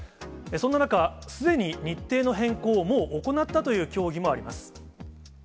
そんな中、すでに日程の変更を、もう行ったという競技もあります。